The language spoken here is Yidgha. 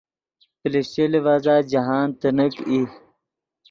پلشچے لیڤزا جاہند تینیک ای